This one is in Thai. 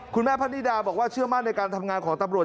พระนิดาบอกว่าเชื่อมั่นในการทำงานของตำรวจ